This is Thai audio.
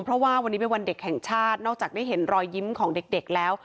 เพราะว่าวันนี้เป็นวันเด็กแห่งชาตินอกจากได้เห็นรอยยิ้มของเด็กแล้ว